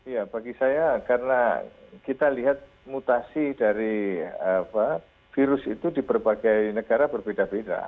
ya bagi saya karena kita lihat mutasi dari virus itu di berbagai negara berbeda beda